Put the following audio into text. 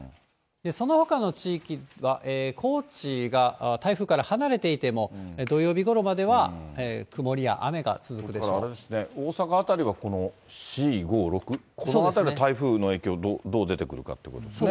そのほかの地域は高知が台風から離れていても、土曜日ごろまでは、それからあれですね、大阪辺りはこの４、５、６、このあたりが台風の影響、どう出てくるかってことですね。